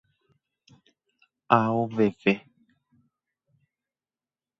Aoveve